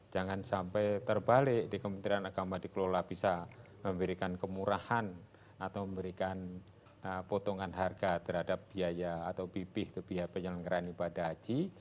jangan sampai terbalik di kementerian agama dikelola bisa memberikan kemurahan atau memberikan potongan harga terhadap biaya atau bpih ke biaya penyelenggaraan ibadah haji